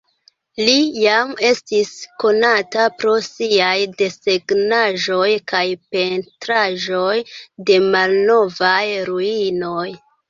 Li jam estis konata pro siaj desegnaĵoj kaj pentraĵoj de malnovaj ruinoj.